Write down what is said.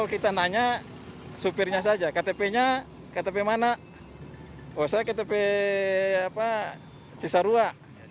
oh saya ktp cisarua